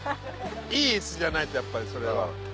いい椅子じゃないとやっぱりそれは。